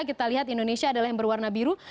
kita lihat indonesia adalah yang berwarna biru